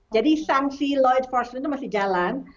jadi sanksi law enforcement itu masih jalan